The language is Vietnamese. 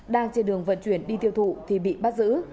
đang trên đường vận chuyển đi tiêu thụ thì bị bắt giữ